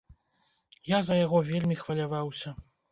Я за яго вельмі хваляваўся.